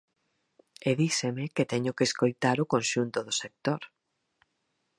E díseme que teño que escoitar o conxunto do sector.